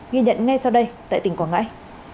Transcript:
ghi nhận ngay sau đây tại tỉnh quảng ngãi